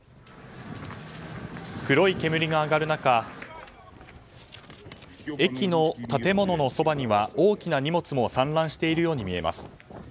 黒い煙が上がる中駅の建物のそばには大きな荷物も散乱しているように見えます。